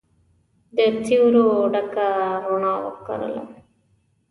د سیورو ډکه روڼا وکرله